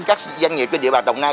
các doanh nghiệp trên địa bàn đồng nai